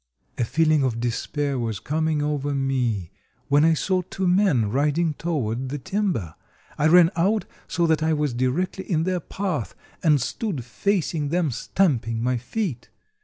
A feeling of despair was coming over me, when I saw two men, riding toward the timber. I ran out, so that I was directly in their path, and stood facing them, stamping my feet.